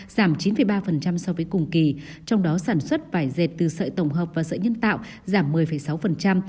giảm chín ba so với cùng kỳ trong đó sản xuất vải dệt từ sợi tổng hợp và sợi nhân tạo giảm một mươi sáu